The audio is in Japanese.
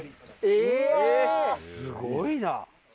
すごいな！